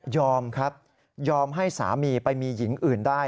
ครับยอมให้สามีไปมีหญิงอื่นได้